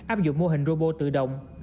áp dụng mô hình robo tự động